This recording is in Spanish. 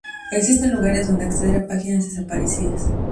Existen lugares donde acceder a páginas desaparecidas